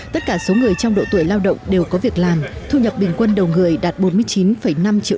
tất cả số người trong độ tuổi lao động đều có việc làm thu nhập bình quân đầu người đạt bốn mươi chín năm triệu